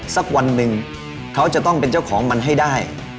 สักวันหนึ่งเขาจะต้องเป็นเจ้าของมันให้ได้